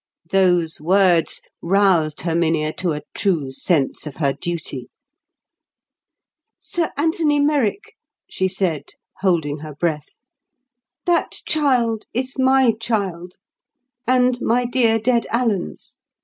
Those words roused Herminia to a true sense of her duty. "Sir Anthony Merrick," she said holding her breath, "that child is my child, and my dear dead Alan's.